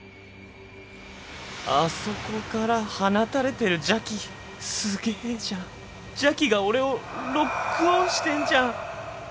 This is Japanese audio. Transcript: あそこから放たれてる邪気すげぇじゃん邪気が俺をロックオンしてんじゃん。